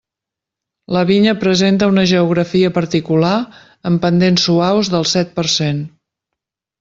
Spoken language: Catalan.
La vinya presenta una geografia particular amb pendents suaus del set per cent.